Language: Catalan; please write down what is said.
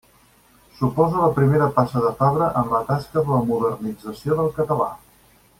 Suposa la primera passa de Fabra en la tasca de la modernització del català.